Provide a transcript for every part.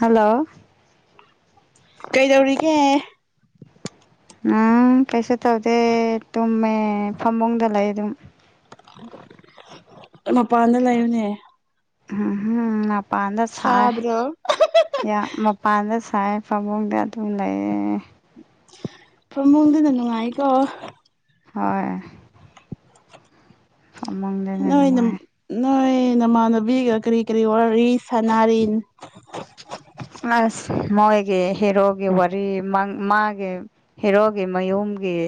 hello ꯀꯩꯗꯧꯔꯤꯒꯦ ꯎꯝ ꯀꯩꯁꯨ ꯇꯧꯗꯦ ꯇꯨꯝꯃꯦ ꯐꯝꯕꯨꯡꯗ ꯂꯩ ꯑꯗꯨꯝ ꯃꯄꯥꯟꯗ ꯂꯩꯌꯨꯅꯦ ꯎꯝꯝ ꯃꯄꯥꯟꯗ ꯁꯥꯏ ꯁꯥꯗ꯭ꯔꯣ ꯃꯄꯥꯟꯗ ꯇꯥꯏ ꯄꯕꯣꯛꯗ ꯇꯃꯤ ꯂꯩꯌꯦ ꯄꯃꯨꯗꯨꯗ ꯅꯨꯡꯉꯥꯏꯀꯣ ꯍꯣꯏ ꯐꯃꯥꯡꯗꯅ ꯅꯣꯏꯅ ꯅꯨꯡꯉꯥꯏ ꯅꯣꯏ ꯅꯃꯥꯟꯅꯕꯤꯒ ꯀꯔꯤ ꯀꯔꯤ ꯋꯥꯔꯤꯂꯤ ꯁꯥꯟꯅꯥꯔꯤꯟ ꯑꯁ ꯃꯣꯏꯒꯤ ꯍꯤꯔꯣꯒꯤ ꯋꯥꯔꯤ ꯃꯥꯒꯤ ꯍꯤꯔꯣꯒꯤ ꯃꯌꯨꯝ ꯒꯤ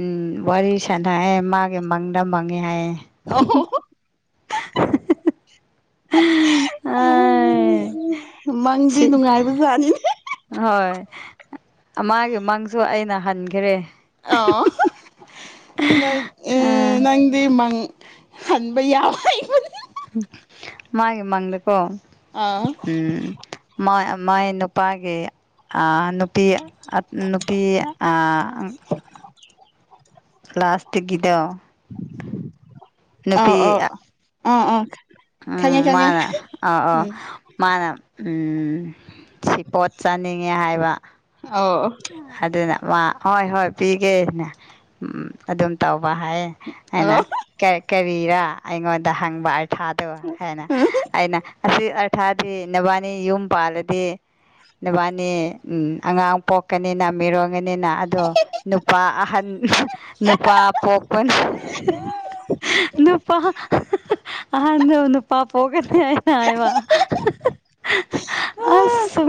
ꯎꯝ ꯋꯥꯔꯤ ꯁꯥꯟꯅꯑꯦ ꯃꯥꯒꯤ ꯃꯪꯗ ꯃꯪꯉꯦ ꯍꯥꯏꯌꯦꯦ ꯑ ꯑꯩ ꯃꯪꯗꯤ ꯁꯤ ꯅꯨꯡꯉꯥꯏꯕꯖꯥꯠꯅꯤ ꯍꯣꯏ ꯃꯥꯒꯤ ꯃꯪꯁꯨ ꯑꯩꯅ ꯍꯟꯈꯔꯦ ꯑꯥꯎ ꯅꯣꯏ ꯑ ꯑꯥ ꯉꯗ ꯗꯤ ꯃꯡ ꯍꯟꯕ ꯌꯥꯝ ꯍꯥꯏꯕꯅꯤ ꯃꯥꯒꯤ ꯃꯥꯡꯗꯀꯣ ꯑꯥ ꯑꯧ ꯎꯝ ꯃꯥ ꯃꯥꯏ ꯅꯨꯄꯥꯒꯤ ꯑ ꯅꯨ ꯅꯨꯄꯤ ꯑꯠ ꯅꯨꯄꯤ ꯑꯥ ꯄꯂꯥꯁꯇꯤꯛ ꯀꯤꯗꯣ ꯑ ꯑ ꯑ ꯑ ꯎꯝ ꯃꯥꯅ ꯑ ꯑ ꯃꯥꯅ ꯎꯝ ꯁꯤ ꯄꯣꯠ ꯆꯥꯅꯤꯡꯉꯦ ꯍꯥꯏꯕ ꯑꯣ ꯑꯗꯨꯅ ꯃꯥ ꯍꯣꯏ ꯍꯣꯏ ꯄꯤꯒꯦꯅꯦ ꯎꯝ ꯑꯗꯨꯝ ꯇꯧ ꯕꯥꯍꯥꯏ ꯑꯩꯟ ꯑꯣ ꯀꯥ ꯀꯔꯤꯔ ꯑꯩꯉꯣꯟꯗ ꯍꯪꯕ ꯊꯥꯗꯕ ꯍꯥꯏꯅ ꯑꯩꯅ ꯑꯁꯤ ꯑꯔꯊꯥꯗꯤ ꯅꯕꯥꯅꯤ ꯌꯨꯝ ꯄꯥꯜꯂꯗꯤ ꯅꯕꯥꯅꯤ ꯑꯉꯥꯡ ꯄꯣꯛ ꯄꯀꯅꯤꯅ ꯃꯤꯔꯣꯟꯒꯅꯤꯅ ꯑꯗꯣ ꯅꯨꯄꯥ ꯑꯍꯟ ꯅꯨꯄꯥ ꯄꯣꯛꯄ ꯅꯨꯄꯥ ꯑꯅ ꯅꯨꯄꯥ ꯄꯒꯅꯤ ꯑꯩꯅꯥ ꯍꯥꯌꯕꯥ ꯑꯁ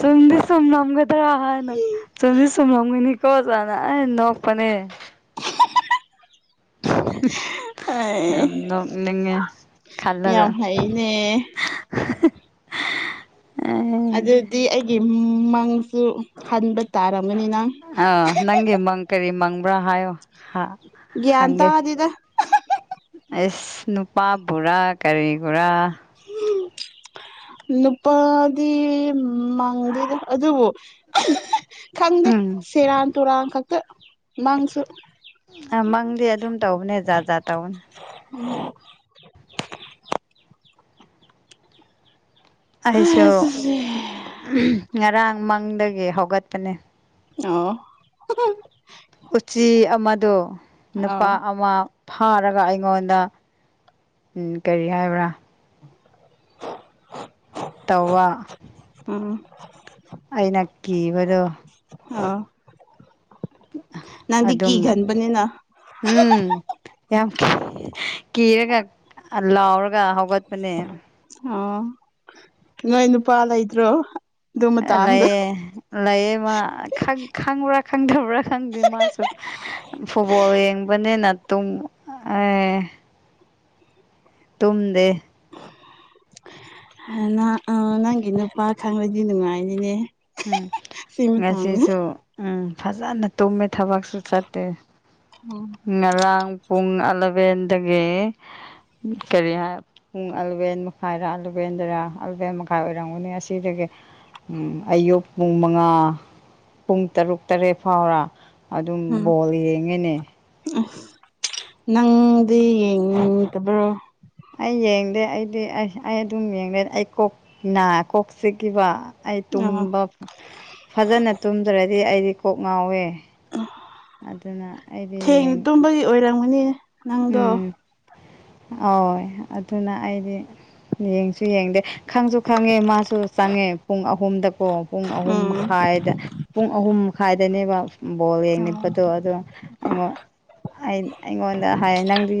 ꯆꯨꯝꯗꯤ ꯆꯨꯝꯝꯒꯗ꯭ꯔꯥ ꯍꯥꯏꯅ ꯆꯨꯃꯗꯤ ꯆꯨꯝꯃꯒꯅꯤ ꯀꯣꯖꯅ ꯑꯩꯅꯥ ꯅꯄꯅꯦ [inaudible] ꯌꯥꯝ ꯑꯩ ꯅꯣꯛꯅꯤꯡꯉꯧ ꯈꯜꯂꯒ ꯌꯥꯝ [inaudible] ꯍꯩꯅꯦ ꯑꯦ ꯑꯗꯨꯗꯤ ꯑꯩꯒꯤ ꯃꯪꯁꯨ ꯍꯟꯕ ꯇꯥꯔ ꯑ ꯅꯡꯒꯤ ꯃꯡ ꯀꯔꯤ ꯃꯡꯕ꯭ꯔꯥ ꯍꯥꯏꯌꯣ ꯍꯥ ꯒ꯭ꯌꯥꯟ ꯍꯡꯒꯦ ꯇꯥꯗꯦꯗ ꯏꯁ ꯅꯨꯄꯥ ꯕꯣꯔꯥ ꯀꯔꯤꯒꯨꯔꯥ ꯅꯨꯄꯥꯗꯤ ꯃꯥꯡꯗꯦꯗ ꯑꯗꯨꯕꯨ ꯈꯪꯗꯦ ꯎꯝ ꯁꯦꯔꯥꯟ ꯇꯨꯔꯥꯟ ꯈꯛꯇ ꯃꯪꯁꯨ ꯑ ꯃꯪꯗꯤ ꯑꯗꯨꯝ ꯇꯧꯕꯅꯦ ꯖꯥꯠ ꯖꯥꯠ ꯇꯧꯅꯦ ꯎꯝ ꯑꯩꯁꯨ ꯉꯔꯥꯡ ꯃꯪꯗꯒꯤ ꯍꯧꯒꯠꯄꯅꯦ ꯑꯣ ꯎꯆꯤ ꯑꯃꯗꯣ ꯑꯥ ꯅꯨꯄꯥ ꯑꯃ ꯐꯥꯔꯒ ꯑꯩꯉꯣꯟꯗ ꯀꯔꯤ ꯍꯥꯏꯕ꯭ꯔꯥ [inaudible] ꯇꯋꯥ [inaudible] ꯑꯩꯅꯥ ꯀꯤꯕꯗꯨ ꯑꯥ ꯅꯪꯗꯤ ꯑꯗꯨꯝ ꯀꯤꯒꯟꯕꯅꯤꯅ ꯎꯝ ꯌꯥꯝ ꯀꯤꯔꯒ ꯂꯥꯎꯔꯒ ꯍꯧꯒꯠꯄꯅꯦ ꯑꯣ ꯅꯣꯏ ꯅꯨꯄꯥ ꯂꯩꯠꯔꯤ ꯂꯩꯌꯦ ꯂꯩꯌꯦ ꯃꯥ ꯈꯪꯕ꯭ꯔꯥ ꯈꯪꯗꯕ꯭ꯔꯥ ꯈꯪꯗꯦ ꯃꯥꯁꯨ ꯐꯨꯠꯕꯣꯜ ꯌꯦꯡꯕꯅꯤꯅꯥ ꯇꯨ ꯑ ꯌꯨꯝꯗꯦ ꯅꯪꯒꯤ ꯅꯨꯄꯥ ꯈꯪꯕꯗꯤ ꯅꯨꯡꯉꯥꯏꯅꯤꯅꯦ ꯎꯝ ꯁꯤ ꯃꯇꯥꯡꯗ ꯉꯁꯤꯁꯨ ꯎꯝ ꯐꯖꯅ ꯇꯨꯝꯃꯦ ꯊꯕꯛꯁꯨ ꯆꯠꯇꯦ ꯉꯔꯥꯡ ꯄꯨꯡ ꯑꯂꯚꯦꯟꯗꯒꯤ ꯀꯔꯤ ꯍꯥꯏ ꯄꯨꯡ ꯑꯂꯚꯦꯟ ꯃꯈꯥꯏꯔ ꯑꯦꯂꯚꯦꯟꯗꯔ ꯑꯂꯚꯦꯟ ꯃꯈꯥꯏ ꯑꯣꯏꯔꯝꯒꯅꯤ ꯑꯁꯤꯗꯒꯤ ꯎꯝ ꯑꯌꯨꯛ ꯄꯨꯡ ꯃꯉꯥ ꯄꯨꯡ ꯇꯔꯨꯛ ꯇꯔꯦꯠ ꯐꯥꯎꯔ ꯑꯗꯨꯝ ꯕꯣꯜ ꯌꯦꯡꯉꯅꯦ ꯑꯁ ꯅꯪꯗꯤ ꯌꯦꯡꯅꯤꯡꯗꯕ꯭ꯔꯣ ꯑꯩ ꯌꯦꯡꯗꯦ ꯑꯩꯗꯤ ꯑꯩ ꯑꯗꯨꯝ ꯌꯦꯡꯗꯦ ꯑꯩ ꯀꯣꯛꯀꯤꯅ ꯀꯣꯛ ꯆꯈꯤꯕ ꯑꯩ ꯑꯣ ꯇꯨꯝꯕ ꯐꯖꯅ ꯇꯨꯝꯗ꯭ꯔꯗꯤ ꯑꯩꯗꯤ ꯀꯣꯛ ꯉꯥꯎꯋꯦ ꯑꯗꯨꯅ ꯑꯩꯗꯤ ꯅꯪꯒꯣ ꯍ ꯑꯗꯨꯅ ꯑꯩꯗꯤ ꯌꯦꯡꯁꯨ ꯌꯦꯡꯗꯦ ꯈꯪꯁꯨ ꯈꯪꯉꯦ ꯃꯥꯁꯨ ꯆꯪꯉꯦ ꯄꯨꯡ ꯑꯍꯨꯝꯗ ꯑꯣ ꯄꯨꯡ ꯑꯍꯨꯝ ꯎꯝ ꯃꯈꯥꯏꯗ ꯄꯨꯡ ꯑꯍꯨꯝ ꯃꯈꯥꯏꯗꯅꯦꯕ ꯕꯣꯜ ꯌꯦꯡꯅꯤꯡꯕꯗꯣ ꯑꯗꯨꯣꯉꯣꯟ ꯑꯩꯉꯣꯟꯗ ꯑꯦ ꯅꯪꯗꯤ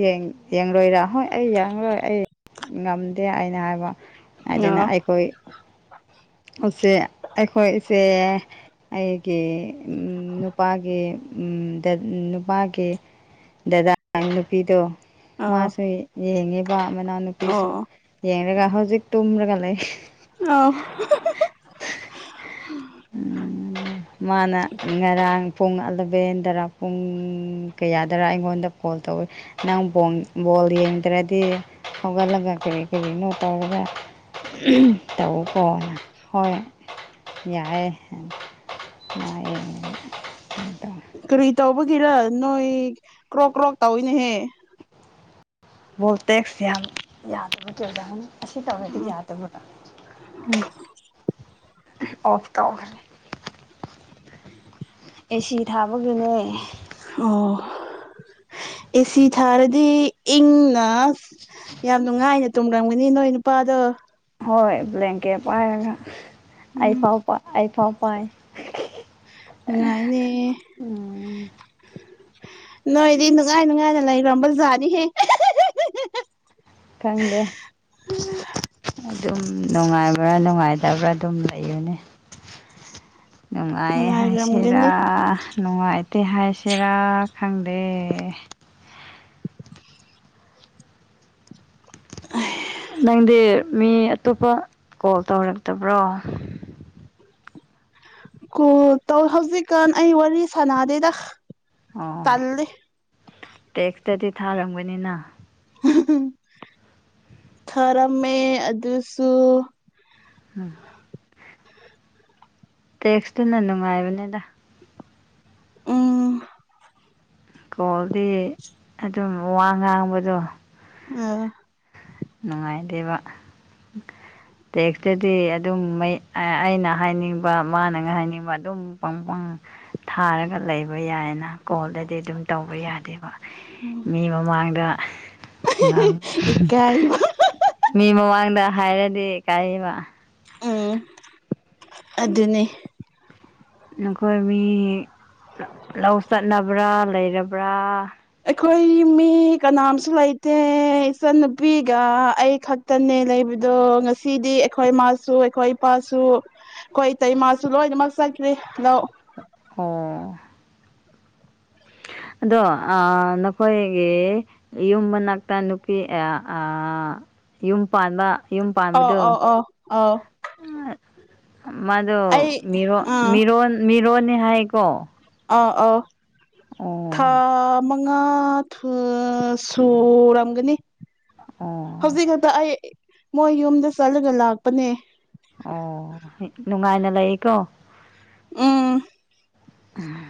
ꯌꯦꯡꯂꯣꯏꯔꯥ ꯍꯣꯏ ꯑꯩ ꯌꯦꯡꯂꯣꯏ ꯑꯩ ꯉꯝꯗꯦ ꯑꯩꯅ ꯍꯥꯏꯕ ꯑꯗꯨꯅ ꯑꯣ ꯑꯩꯈꯣꯏ ꯎꯆꯦ ꯑꯩꯈꯣꯏꯁꯦ ꯑꯩꯒꯤ ꯅꯨꯄꯥꯒꯤ ꯅꯨꯄꯥꯒꯤ ꯗꯗꯥ ꯑꯉꯥꯡ ꯅꯨꯄꯤꯗꯣ ꯑꯣ ꯃꯥꯁꯨ ꯌꯦꯡꯉꯤꯕ ꯃꯅꯥꯎꯅꯨꯄꯤꯁꯨ ꯑꯣ ꯌꯦꯡꯂꯡꯒ ꯍꯧꯖꯤꯛ ꯇꯨꯝꯔꯒ ꯂꯩ ꯑꯥꯎ ꯎꯝ ꯃꯥꯅ ꯉꯔꯥꯡ ꯄꯨꯡ ꯑꯂꯚꯦꯟꯗꯔ ꯄꯨꯡ ꯀꯌꯥꯗꯔ ꯑꯩꯉꯣꯟꯗ ꯕꯣꯜ ꯇꯧꯋꯤ ꯅꯪ ꯕꯣꯜ ꯌꯦꯡꯗ꯭ꯔꯗꯤ ꯍꯧꯒꯠꯂꯒ ꯀꯔꯤ ꯀꯔꯤꯅꯣ ꯇꯧꯔꯒ ꯇꯕꯨ ꯀꯣꯅ ꯍꯣꯏ ꯌꯥꯏꯑꯦ ꯃꯥꯅꯨꯡꯥꯏ ꯇꯧ ꯀꯔꯤ ꯇꯧꯕꯒꯤꯔ ꯅꯣꯏ ꯀ꯭ꯔꯣꯛ ꯀ꯭ꯔꯣꯛ ꯇꯧꯏꯤꯅꯦꯍꯦ [unintelligible] ꯌꯥꯝ [unintelligible] ꯁꯤ ꯇꯃꯦꯗꯤ ꯎꯝ ꯌꯥꯗꯕꯣ ꯎꯝ ꯑꯣꯐ ꯇꯅꯤ ꯑꯦꯁꯤ ꯊꯥꯕꯒꯤꯅꯦ ꯑꯣ ꯑꯦꯁꯤ ꯊꯥꯔꯗꯤ ꯏꯪꯅ ꯌꯥꯝ ꯅꯨꯡꯉꯥꯏꯅ ꯇꯨꯝꯔꯪꯒꯅꯤ ꯅꯣꯏ ꯅꯨꯄꯥꯗꯣ ꯍꯣꯏ ꯕ꯭ꯂꯦꯡꯀꯦꯠ ꯄꯥꯏꯔꯒ ꯑꯩ ꯎꯝ ꯐꯥꯎ ꯑꯩ ꯐꯥꯎ ꯄꯥꯏ ꯉꯅꯨꯡꯉꯥꯏꯗ ꯎꯝ ꯅꯣꯏꯗꯤ ꯅꯨꯡꯉꯥꯏ ꯅꯨꯡꯉꯥꯏꯅ ꯂꯩꯈꯝꯕꯖꯥꯅꯤꯍꯦ ꯈꯪꯗꯦ ꯑꯗꯨꯝ ꯅꯨꯡꯉꯥꯏꯕ꯭ꯔꯥ ꯅꯨꯡꯉꯥꯏꯇꯕ꯭ꯔꯥ ꯑꯗꯨꯝ ꯂꯩꯕꯅꯦ ꯅꯨꯡꯉꯥꯏ ꯍꯥꯏꯁꯦꯔꯥ ꯅꯨꯡꯉꯥꯏꯔꯝꯒꯅꯤ ꯅꯨꯡꯉꯥꯏ ꯇꯦ ꯍꯥꯏꯁꯤꯔꯥ ꯈꯪꯗꯦ [unintelligible] ꯅꯪꯗꯤ ꯃꯤ ꯑꯇꯣꯞꯄ ꯀꯣꯜ ꯇꯧꯔꯛꯇꯕ꯭ꯔꯣ ꯀꯣꯜ ꯇꯧ ꯍꯧꯖꯤꯛꯀꯥꯟ ꯑꯩ ꯋꯥꯔꯤ ꯁꯥꯟꯅꯗꯦꯗ ꯑꯣ ꯇꯜꯂꯦ ꯇꯦꯛꯁꯇꯗꯤ ꯊꯥꯔꯝꯒꯅꯤꯅ ꯈꯔꯝꯃꯦ ꯑꯗꯨꯁꯨ ꯎꯝ ꯇꯦꯛꯁꯇꯨꯅ ꯅꯨꯡꯉꯥꯏꯕꯅꯦꯗ ꯎꯝ ꯀꯣꯜꯗꯤ ꯑꯗꯨꯝ ꯋꯥ ꯉꯥꯡꯕꯗꯣ ꯎꯝ ꯅꯨꯡꯉꯥꯏꯗꯦꯕ ꯇꯦꯛꯁꯇꯗꯤ ꯑꯗꯨꯝ ꯑꯩꯅ ꯍꯥꯏꯅꯤꯡꯕ ꯃꯥꯅ ꯍꯥꯏꯅꯤꯡꯕ ꯑꯗꯨꯝ ꯄ ꯊꯥꯔꯒ ꯂꯩꯕ ꯌꯥꯏꯅ ꯀꯣꯜꯗꯗꯤ ꯑꯗꯨꯝ ꯇꯧꯕ ꯌꯥꯗꯦꯕ ꯃꯤ ꯃꯃꯥꯡꯗ ꯏꯀꯥꯏꯕ ꯃꯤ ꯃꯃꯥꯡꯗ ꯍꯥꯏꯔꯗꯤ ꯀꯥꯏꯕ ꯎꯝ ꯑꯗꯨꯅꯤ ꯅꯈꯣꯏ ꯃꯤ ꯂꯧ ꯆꯠꯅꯕ꯭ꯔꯥ ꯂꯩꯔꯕ꯭ꯔꯥ ꯑꯩꯈꯣꯏ ꯃꯤ ꯀꯅꯥꯝꯁꯨ ꯂꯩꯇꯦ ꯏꯆꯟꯅꯨꯄꯤꯒ ꯑꯩ ꯈꯛꯇꯅꯦ ꯂꯩꯕ ꯑꯗꯣ ꯉꯁꯤꯗꯤ ꯑꯩꯈꯣꯏ ꯏꯃꯥꯁꯨ ꯑꯩꯈꯣꯏ ꯏꯄꯥꯁꯨ ꯑꯩꯈꯣꯏ ꯏꯇꯩ ꯏꯃꯥꯁꯨ ꯂꯣꯏꯅꯃꯛ ꯆꯠꯈ꯭ꯔꯦ ꯂꯧ ꯑꯣ [inaudible] ꯑꯗꯣ ꯅꯈꯣꯏꯒꯤ ꯌꯨꯝ ꯃꯅꯥꯛꯇ ꯅꯨꯨꯄꯤ ꯑꯦ ꯑꯥ ꯌꯨꯝ ꯄꯥꯟꯕ ꯌꯨꯝ ꯑꯣ ꯑꯣ ꯄꯥꯟꯕꯗꯣ ꯑꯣ ꯑꯣ ꯃꯥꯗꯣ ꯃꯤ ꯑꯥ ꯃꯤꯔꯣꯟ ꯃꯤꯔꯣꯟꯅꯤ ꯍꯥꯏꯀꯣ ꯑꯥ ꯑꯥ ꯊꯥ ꯑꯣ ꯉꯥ ꯊꯨ ꯁꯨꯔꯝꯒꯅꯤ ꯑꯣ ꯍꯧꯖꯤꯛ ꯈꯛꯇ ꯑꯩ ꯃꯣꯏ ꯌꯨꯝꯗ ꯆꯠꯂꯒ ꯂꯥꯛꯄꯅꯦ ꯑꯣ ꯅꯨꯡꯉꯥꯏꯅ ꯂꯩꯀꯣ ꯎꯝ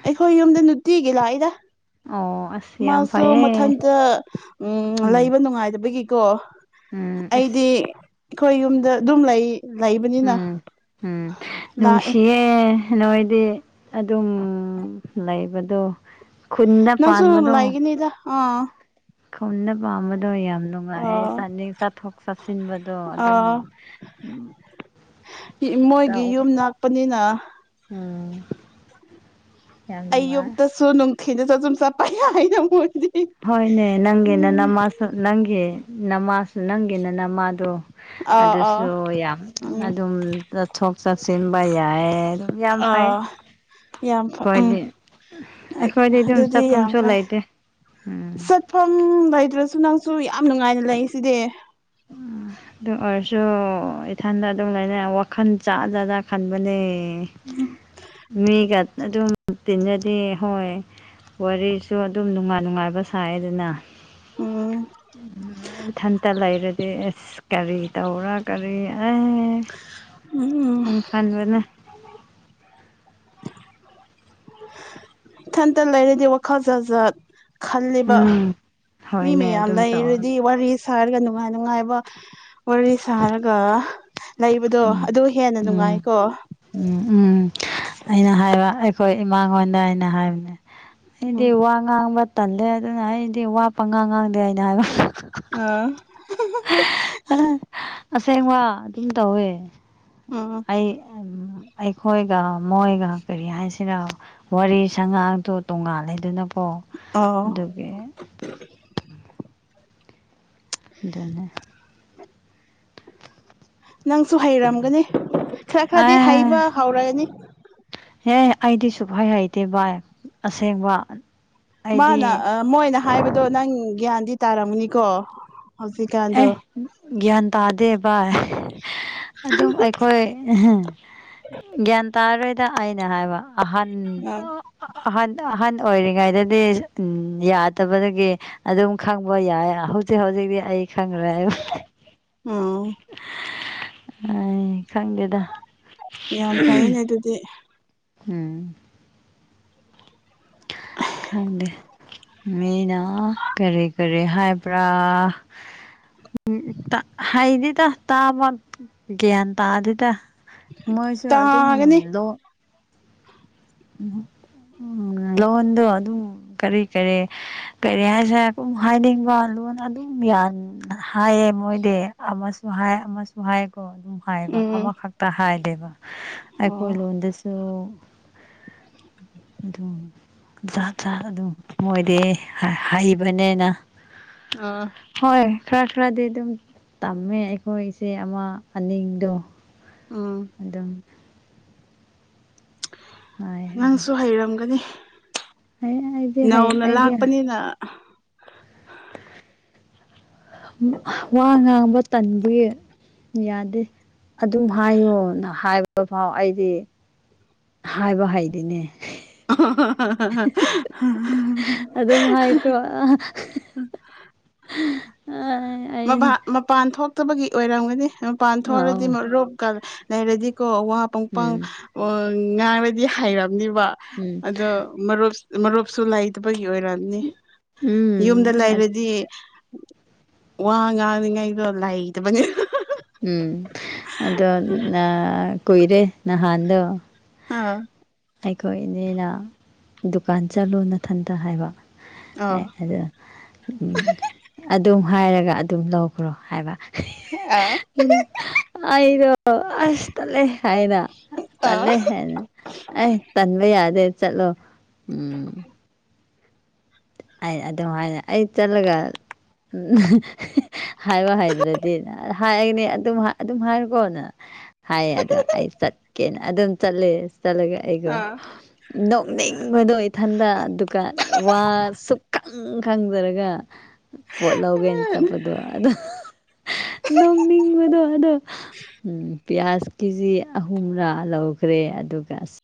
ꯑꯩꯈꯣꯏ ꯌꯨꯝꯗ ꯅꯨꯡꯇꯤꯒꯤ ꯂꯥꯛꯏꯗ ꯑꯣ ꯑꯁ ꯌꯥꯝ ꯃꯥꯁꯨ ꯐꯩꯌꯦ ꯃꯊꯟꯇ ꯎꯝ ꯂꯩꯕ ꯅꯨꯡꯉꯥꯏꯇꯕꯒꯤꯀꯣ ꯎꯝ ꯑꯩꯗꯤ ꯑꯁ ꯑꯩꯈꯣꯏ ꯌꯨꯝꯗ ꯑꯗꯨꯝ ꯂꯩ ꯂꯩꯕꯅꯤꯅ ꯎꯝ ꯎꯝ ꯂꯥꯛꯑꯦ ꯅꯨꯡꯁꯤꯌꯦ ꯅꯣꯏꯗꯤ ꯑꯗꯨꯝ ꯂꯩꯕꯗꯣ ꯈꯨꯟꯅ ꯅꯪꯁꯨ ꯄꯥꯟꯕꯗꯣ ꯂꯩꯒꯅꯤꯗ ꯑꯥ ꯈꯨꯟꯗ ꯄꯥꯟꯕꯗꯣ ꯑꯗꯣ ꯌꯥꯝ ꯅꯨꯡꯉꯥꯏꯌꯦ ꯑꯥ ꯆꯥꯅꯤꯡ ꯆꯠꯊꯣꯛ ꯆꯠꯁꯤꯟꯕꯗꯣ ꯑꯗꯨꯝ ꯑꯥ ꯃꯣꯏꯒꯤ ꯇꯧ ꯌꯨꯝ ꯉꯛꯄꯅꯤꯅ ꯎꯝ ꯌꯥꯝ ꯅꯨꯡꯉꯥꯏ ꯑꯌꯨꯛꯇꯁꯨ ꯅꯨꯡꯊꯤꯅꯁꯨ ꯑꯗꯨꯨꯝ ꯆꯠꯄ ꯌꯥ ꯍꯥꯏꯅ ꯃꯣꯏꯁꯤꯗꯤ ꯍꯣꯏꯅꯦ ꯅꯪꯒꯤꯅ ꯅꯃꯥꯁꯨ ꯅꯪꯒꯤ ꯅꯃꯥꯁꯨ ꯅꯪꯒꯤꯅ ꯅꯃꯥꯗꯣ ꯑꯥ ꯑꯥ ꯑꯗꯨꯁꯨ ꯌꯥꯝ ꯎꯝ ꯑꯗꯨꯝ ꯆꯠꯊꯣꯛ ꯆꯠꯁꯤꯟꯕ ꯌꯥꯏ ꯌꯥꯝ ꯐꯩ ꯑꯥ ꯌꯥꯝ ꯐꯩ ꯎꯝ ꯑꯩꯈꯣꯏꯗꯤ ꯑꯩꯈꯣꯏꯗꯤ ꯑꯗꯨꯝ ꯑꯗꯨꯗꯤ ꯌꯥꯝ ꯆꯥꯐꯝꯁꯨ ꯐꯩ ꯂꯩꯇꯦ ꯎꯝ ꯆꯠꯐꯝ ꯂꯩꯇ꯭ꯔꯁꯨ ꯅꯪꯁꯨ ꯌꯥꯝ ꯅꯨꯡꯉꯥꯏꯅ ꯂꯩ ꯁꯤꯗꯤ ꯎꯝ ꯑꯗꯨ ꯑꯣꯏꯔꯁꯨ ꯏꯊꯟꯗ ꯑꯗꯨꯝ ꯂꯩꯅ ꯋꯥꯈꯜ ꯖꯠꯖꯥꯠ ꯈꯟꯕꯅꯦ ꯎꯝ ꯃꯤꯒ ꯑꯗꯨꯝ ꯇꯤꯖꯗ ꯍꯣꯏ ꯋꯥꯔꯤꯁꯨ ꯑꯗꯨꯝ ꯅꯨꯡꯉꯥꯏ ꯅꯨꯡꯉꯥꯏꯕ ꯁꯥꯏ ꯑꯗꯨꯅ ꯎꯝ ꯎꯝ ꯏꯊꯟꯇ ꯂꯩꯔꯗꯤ ꯑ ꯑꯁ ꯀꯔꯤ ꯇꯧꯔ ꯀꯔꯤ ꯑꯦ ꯎꯝ ꯈꯟꯕꯅꯦ ꯏꯊꯟꯇ ꯂꯩꯔꯗꯤ ꯋꯥꯈꯜ ꯖꯥꯠꯖꯥꯠ ꯈꯜꯂꯤꯕ ꯎꯝ ꯃꯤ ꯍꯣꯏꯅꯦ ꯃꯌꯥꯝ ꯑꯗꯨꯝ ꯇꯧꯔ ꯂꯩꯔꯗꯤ ꯋꯥꯔꯤ ꯁꯥꯔꯒ ꯅꯨꯡꯉꯥꯏ ꯅꯨꯡꯉꯥꯏꯕ ꯋꯥꯔꯤ ꯁꯥꯔꯒ ꯂꯩꯕꯗꯣ ꯎꯝ ꯑꯗꯨ ꯍꯦꯟꯅ ꯎꯝ ꯅꯨꯡꯉꯥꯏꯀꯣ ꯎꯝ ꯎꯝ ꯑꯩꯅ ꯍꯥꯏꯕ ꯑꯩꯈꯣꯏ ꯏꯃꯥꯡꯉꯣꯟꯗ ꯑꯩꯅ ꯍꯥꯏꯕꯅꯦ ꯑꯩꯗꯤ ꯎꯝ ꯋꯥ ꯉꯥꯡꯕ ꯇꯜꯂꯦ ꯑꯗꯨꯅ ꯑꯩꯗꯤ ꯋꯥꯠꯄ ꯉꯥꯡ ꯉꯥꯡꯗꯦ ꯍꯥꯏꯅ ꯍꯥꯏꯕ ꯑꯥ ꯑꯁꯦꯡꯕ ꯑꯗꯨꯝ ꯇꯧꯋꯦ ꯎꯝ ꯑꯩ ꯑꯩꯈꯣꯏꯒ ꯃꯣꯏꯒ ꯀꯔꯤ ꯍꯥꯏꯁꯤꯔ ꯋꯥꯔꯤ ꯁꯉꯥꯡꯗꯣ ꯇꯣꯉꯥꯟꯂꯦꯗꯅꯀꯣ ꯑꯣ ꯑꯣ ꯑꯗꯨꯒꯤ ꯑꯗꯨꯅꯦ ꯅꯪꯁꯨ ꯍꯩꯔꯝꯒꯅꯤ ꯈꯔ ꯈꯔꯗꯤ ꯍꯩꯕ ꯑꯦ ꯍꯧꯔꯒꯅꯤ ꯍꯦ ꯑꯩꯗꯤ ꯁꯨꯐꯩ ꯍꯩꯇꯦ ꯚꯥꯏ ꯑꯁꯦꯡꯕ ꯃꯥꯅ ꯑꯩꯗꯤ ꯃꯣꯏꯅ ꯍꯥꯏꯕꯗꯣ ꯅꯪ ꯒ꯭ꯌꯥꯟꯗꯤ ꯇꯥꯔꯝꯒꯅꯤꯀꯣ ꯍꯧꯖꯤ ꯀꯥꯟꯗꯣ ꯑꯦ ꯒ꯭ꯌꯥꯟ ꯇꯥꯗꯦ ꯑꯗꯨꯝ ꯑꯩꯈꯣꯏ ꯒ꯭ꯌꯥꯟ ꯇꯥꯔꯔꯣꯏ ꯑꯗ ꯑꯩꯅ ꯍꯥꯏꯕ ꯑꯍꯟ ꯑꯥ ꯑꯍꯟ ꯑꯍꯟ ꯑꯣꯏꯔꯤꯉꯩꯗꯗꯤ ꯌꯥꯗꯕꯗꯒꯤ ꯑꯗꯨꯝ ꯈꯪꯕ ꯌꯥꯏ ꯍꯧꯖꯤ ꯍꯧꯖꯤꯗꯤ ꯑꯩ ꯈꯪ꯭ꯔꯦ ꯑꯥ ꯑ ꯈꯪꯒꯦꯗ ꯌꯥꯝ ꯐꯩꯅꯦ ꯑꯗꯨꯗꯤ ꯎꯝ ꯀꯪꯗꯦ ꯃꯤꯅ ꯀꯔꯤ ꯀꯔꯤ ꯍꯥꯏꯕ꯭ꯔꯥ ꯎꯝ ꯍꯩꯗꯤꯗ ꯇꯥꯕ ꯒ꯭ꯌꯥꯟ ꯇꯥꯗꯤꯦꯗ ꯃꯣꯏꯁꯨ ꯑꯗꯨꯝ ꯇꯥꯒꯅꯤ ꯂ ꯎꯝ ꯎ ꯂꯣꯟꯗꯣ ꯑꯗꯨꯝ ꯀꯔꯤ ꯀꯔꯤ ꯀꯔꯤ ꯍꯥꯏꯁꯦ ꯀꯨꯝ ꯍꯥꯏꯅꯤꯡꯕ ꯂꯣꯟ ꯑꯗꯨꯝ ꯌꯥ ꯍꯥꯏꯌꯦ ꯃꯣꯏꯗꯤ ꯑꯃꯁꯨ ꯍꯥꯏ ꯑꯃꯁꯨ ꯍꯥꯏꯌꯦꯀꯣ ꯑꯗꯨꯝ ꯍꯥꯏꯌꯦꯕ ꯎꯝ ꯑꯃꯈꯛꯇ ꯍꯥꯏꯗꯦꯕ ꯑꯣ ꯑꯩꯈꯣꯏ ꯂꯣꯟꯗꯁꯨ ꯑꯗꯨꯝ ꯖꯥꯠ ꯖꯥꯠ ꯑꯗꯨꯝ ꯃꯣꯏꯗꯤ ꯍꯥꯏ ꯍꯩꯕꯅꯤꯅ ꯑꯥ ꯍꯣꯏ ꯈꯔ ꯈꯔꯗꯤ ꯑꯗꯨꯝ ꯇꯝꯃꯦ ꯑꯩꯈꯣꯏ ꯏꯆꯦ ꯑꯃ ꯑꯅꯤꯗꯣ ꯎꯝ ꯑꯗꯨꯝ ꯍꯥꯏ ꯑꯗꯣ ꯅꯪꯁꯨ ꯍꯩꯔꯝꯒꯅꯤ ꯑꯩ ꯑꯩꯗꯤ ꯍꯩ ꯅꯧꯅ ꯑꯩꯗꯤ ꯂꯥꯛꯄꯅꯤꯅ ꯋꯥ ꯉꯥꯡꯕ ꯇꯟꯕꯨꯒꯤ ꯌꯥꯗꯦ ꯑꯗꯨꯝ ꯍꯥꯏꯌꯣꯅ ꯍꯥꯏꯕ ꯐꯥꯎ ꯑꯩꯗꯤ ꯍꯥꯏꯕ ꯍꯥꯏꯩꯗꯤꯅꯦ ꯑꯗꯨꯝ ꯍꯥꯏꯈ꯭ꯔꯣ ꯑ ꯎ ꯑꯩ ꯃꯄꯥꯟ ꯊꯣꯛꯇꯕꯒꯤ ꯑꯣꯏꯔꯝꯒꯅꯤ ꯃꯄꯥꯟ ꯑꯥꯎ ꯊꯣꯛꯑꯗꯤ ꯔꯣꯛꯀ ꯂꯩꯔꯗꯤꯀꯣ ꯋꯥ ꯄꯪꯄꯪ ꯎꯝ ꯉꯥꯡꯔꯗꯤ ꯍꯥꯏꯔꯝꯅꯤꯕ ꯎꯝ ꯑꯗꯣ ꯃꯔꯨꯞ ꯃꯔꯨꯞꯞꯁꯨ ꯂꯩꯇꯕ ꯑꯣꯏꯔꯑꯅꯤ ꯎꯝ ꯌꯨꯝꯗ ꯂꯩꯔꯗꯤ ꯋꯥ ꯉꯥꯡꯅꯤꯉꯩꯗꯣ ꯂꯩꯇꯕꯅꯦ ꯎꯝ ꯀꯏꯔꯦ ꯅꯍꯥꯟꯗ ꯑꯥꯎ ꯑꯩꯈꯣꯏ ꯏꯅꯦꯅ ꯗꯨꯀꯥꯟ ꯆꯠꯂꯨ ꯅꯊꯟꯇ ꯍꯥꯏꯕ ꯑꯥ ꯑꯦ ꯑꯗꯨꯗ ꯎꯝ ꯑꯗꯨꯝ ꯍꯥꯏꯔꯒ ꯑꯗꯨꯝ ꯂꯧꯈ꯭ꯔꯣ ꯍꯥꯏꯕ ꯑ ꯑꯗꯣ ꯑꯁ ꯂꯩꯦ ꯍꯥꯏꯅ ꯑꯥ ꯇꯜꯂꯦ ꯍꯥꯏꯅ ꯑꯩ ꯇꯟꯕ ꯌꯥꯗꯦ ꯆꯠꯂꯣ ꯎꯝ ꯑꯩ ꯑꯗꯨꯝ ꯍꯥꯏꯅ ꯑꯩ ꯆꯠꯂꯒ ꯎꯝ ꯍꯥꯏꯕ ꯍꯥꯏꯗ꯭ꯔꯗꯤ ꯍꯥꯏꯔꯒꯅꯤ ꯑꯗꯨꯝ ꯑꯗꯨꯝ ꯍꯥꯏꯔꯨꯀꯣꯅ ꯍꯥꯏ ꯑꯗꯣ ꯑꯩ ꯆꯠꯀꯦꯅ ꯑꯗꯨꯝ ꯆꯠꯂ ꯆꯠꯂꯒ ꯑꯩꯒꯣ ꯑꯥ ꯅꯣꯛꯅꯤꯡꯕꯗꯣ ꯏꯊꯟꯗ ꯗꯨꯀꯥꯟ ꯋꯥ ꯈꯪ ꯈꯪꯖꯔꯒ ꯄꯣꯠ ꯂꯧꯒꯦꯅ ꯆꯠꯄꯗꯣ ꯑ ꯅꯝ ꯃꯗ ꯑꯗꯣ ꯎꯝ ꯄꯤꯌꯥꯁ ꯀꯦꯖꯤ ꯑꯍꯨꯝꯔꯥ ꯂꯧꯈ꯭ꯔꯦ ꯑꯗꯨꯒ